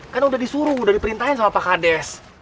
kan udah disuruh udah diperintahin sama pak kades